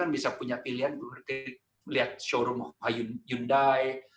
bisa punya pilihan seperti melihat showroom hyundai